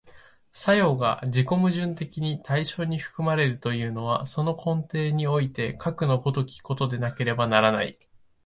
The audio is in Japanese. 作用が自己矛盾的に対象に含まれるというのは、その根底においてかくの如きことでなければならない。